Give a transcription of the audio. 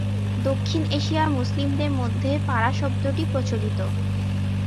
দক্ষিণ এশিয়ার মুসলিমদের মধ্যে পারা শব্দটি প্রচলিত।